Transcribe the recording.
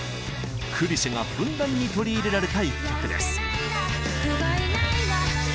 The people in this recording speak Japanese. クリシェがふんだんに取り入れられた一曲です。